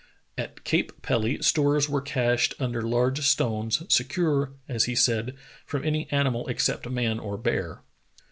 At Cape Pelly stores were cached under large stones, secure, as he said, from any animal except man or bear.